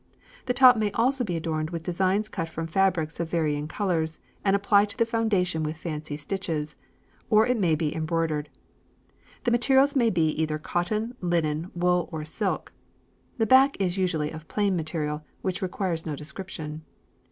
The top may also be adorned with designs cut from fabrics of varying colours and applied to the foundation with fancy stitches, or it may be embroidered. The materials may be either cotton, linen, wool, or silk. The back is usually of plain material, which requires no description.